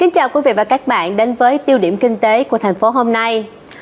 chào mừng quý vị và các bạn đến với tiêu điểm kinh tế của thành phố hôm nay